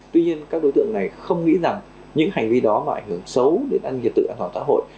tuy nhiên các đối tượng này không nghĩ rằng những hành vi đó mà ảnh hưởng xấu đến ăn nghiệp tự an toàn xã hội